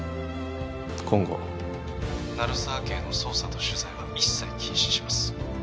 今後鳴沢家への捜査と取材は一切禁止します